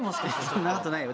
そんなことないよ